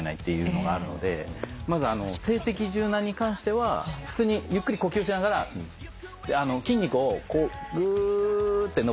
まず静的柔軟に関しては普通にゆっくり呼吸しながら筋肉をぐって伸ばすような感じ。